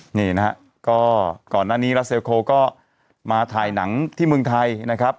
นี่นะฮะก็ก่อนหน้านี้รัสเซลโคก็มาถ่ายหนังที่เมืองไทยนะครับ